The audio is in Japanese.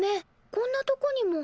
こんなとこにも。